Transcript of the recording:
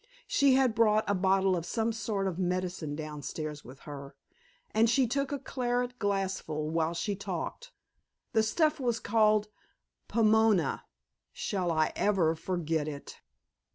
She had brought a bottle of some sort of medicine downstairs with her, and she took a claret glassful, while she talked. The stuff was called Pomona; shall I ever forget it?